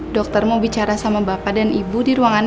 dokter mau bicara sama bapak dan ibu di ruangan